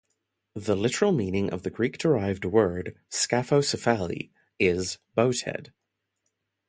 The literal meaning of the Greek derived word 'scaphocephaly' is boathead.